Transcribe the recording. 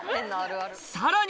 さらに！